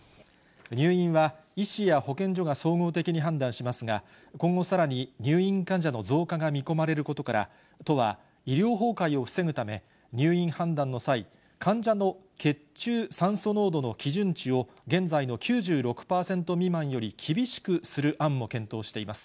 入院は医師や保健所が総合的に判断しますが、今後、さらに入院患者の増加が見込まれることから、都は医療崩壊を防ぐため、入院判断の際、患者の血中酸素濃度の基準値を現在の９６％未満より厳しくする案も検討しています。